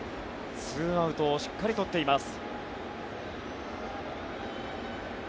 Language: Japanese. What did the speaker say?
アウトをしっかり取っています。